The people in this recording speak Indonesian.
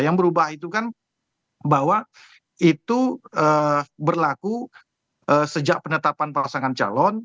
yang berubah itu kan bahwa itu berlaku sejak penetapan pasangan calon